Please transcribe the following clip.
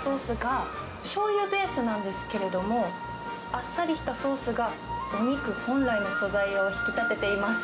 ソースがしょうゆベースなんですけれども、あっさりしたソースがお肉本来の素材を引き立てています。